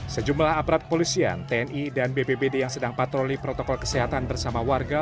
sejumlah aparat polisian tni dan bbbd yang sedang patroli protokol kesehatan bersama warga